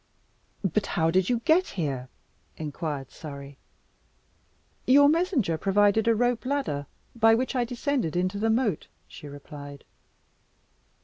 "But how did you get here?" inquired Surrey. "Your messenger provided a rope ladder, by which I descended into the moat," she replied.